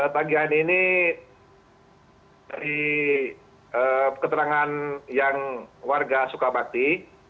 tagihan ini dari keterangan yang warga suka bakti